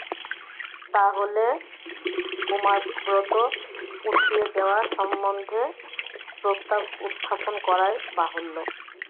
তা হলে কুমারব্রত উঠিয়ে দেওয়া সম্বন্ধে প্রস্তাব উত্থাপন করাই বাহুল্য।